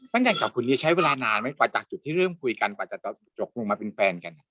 การจับกลุ่มนี้ใช้เวลานานไหมกว่าจากจุดที่เริ่มคุยกันกว่าจะตกลงมาเป็นแฟนกัน